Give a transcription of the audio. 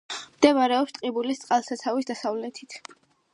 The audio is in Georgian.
მდებარეობს ტყიბულის წყალსაცავის დასავლეთით.